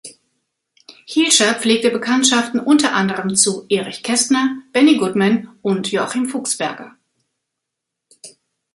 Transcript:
Hielscher pflegte Bekanntschaften unter anderem zu Erich Kästner, Benny Goodman und Joachim Fuchsberger.